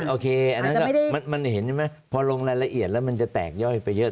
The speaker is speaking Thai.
โอเคมันเห็นไหมพอลงรายละเอียดแล้วมันจะแตกย่อยไปเยอะ